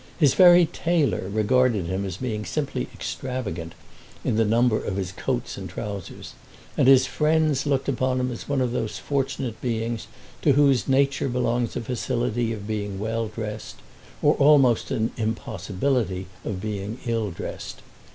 His very tailor regarded him as being simply extravagant in the number of his coats and trousers, and his friends looked upon him as one of those fortunate beings to whose nature belongs a facility of being well dressed, or almost an impossibility of being ill dressed.